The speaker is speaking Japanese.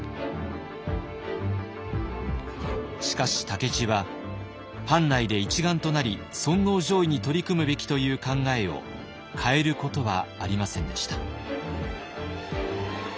しかし武市は藩内で一丸となり尊皇攘夷に取り組むべきという考えを変えることはありませんでした。